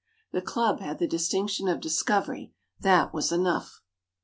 The club had the distinction of discovery, that was enough.